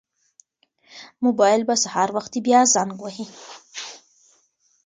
موبایل به سهار وختي بیا زنګ وهي.